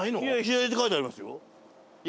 左って書いてありますよ。